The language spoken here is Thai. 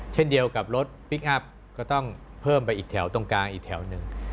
เช่นเดียวกับรถพลิกอัพก็ต้องเพิ่มไปอีกแถวตรงกลางอีกแถวหนึ่ง